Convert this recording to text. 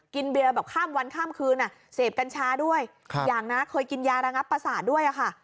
เบียร์แบบข้ามวันข้ามคืนเสพกัญชาด้วยอย่างนะเคยกินยาระงับประสาทด้วยค่ะ